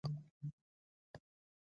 ده د ترنګزیو حاجي صاحب وهڅاوه.